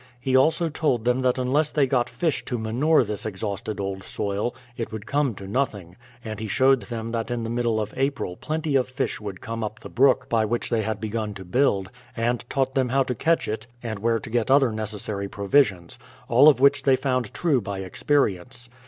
He also told them that unless they got fish to manure this ex hausted old soil, it would come to nothing, and he showed them that in the middle of April plenty of fish would come up the brook by which they had begun to build, and taught them how to catch it, and where to get other necessary pro visions ; all of which they found true by experience.